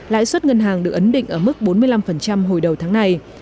lãi suất ngân hàng được ấn định ở mức bốn mươi năm hồi đầu tháng này